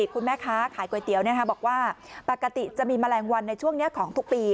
คุณแม่ค้าขายก๋วยเตี๋ยวบอกว่าปกติจะมีแมลงวันในช่วงนี้ของทุกปี